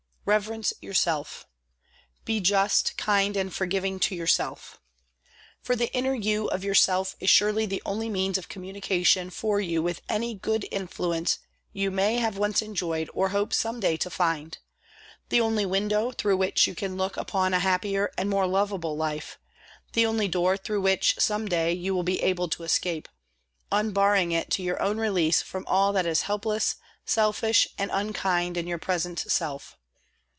Reverence yourself. Be just, kind and forgiving to yourself. For the inner you of yourself is surely the only means of communication for you with any good influence you may once have enjoyed or hope some day to find, the only window through which you can look upon a happier and more lovable life, the only door through which some day you will be able to escape, unbarring it to your own release from all that is helpless, selfish, and unkind in your present self.